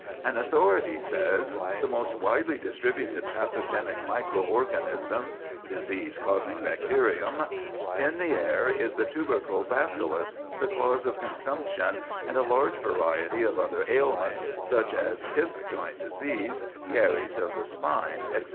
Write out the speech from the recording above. An authority says, "The most widely distributed pathogenic microörganism (disease causing bacterium) in the air is the tubercle bacillus, the cause of consumption and a large variety of other ailments, such as hipjoint disease, caries of the spine, etc.